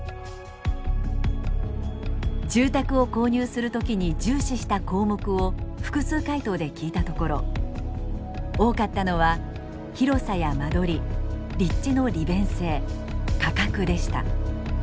住宅を購入する時に重視した項目を複数回答で聞いたところ多かったのは広さや間取り立地の利便性価格でした。